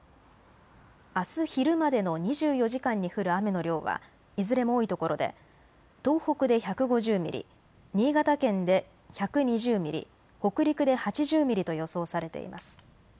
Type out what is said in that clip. あす昼までの２４時間に降る雨の量はいずれも多いところで東北で１５０ミリ、新潟県で１２０ミリ、北陸で８０ミリと予想されています。